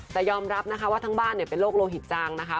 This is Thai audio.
แต่ยอมรับนะคะว่าทั้งบ้านเป็นโรคโลหิตจางนะคะ